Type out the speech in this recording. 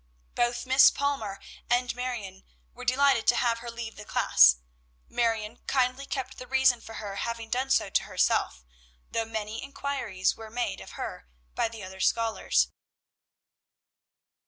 Both Miss Palmer and Marion were delighted to have her leave the class. Marion kindly kept the reason for her having done so to herself, though many inquiries were made of her by the other scholars.